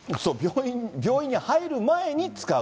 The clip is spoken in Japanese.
病院に入る前に使う。